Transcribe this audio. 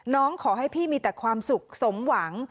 ขอให้พี่มีแต่ความสุขสมหวัง